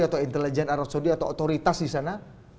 atau intelijen arab saudi atau otoritas di sana